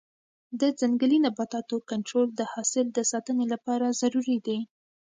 د ځنګلي نباتاتو کنټرول د حاصل د ساتنې لپاره ضروري دی.